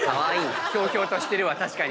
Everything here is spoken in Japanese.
ひょうひょうとしてるわ。